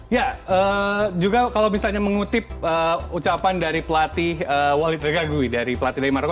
ya juga kalau misalnya mengutip ucapan dari pelatih walid raghawi dari pelatih dari maroko